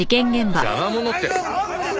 邪魔者って。